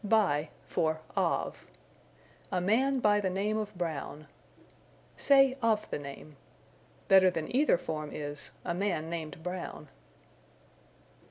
By for Of. "A man by the name of Brown." Say, of the name. Better than either form is: a man named Brown.